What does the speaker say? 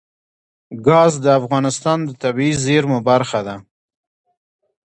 ګاز د افغانستان د طبیعي زیرمو برخه ده.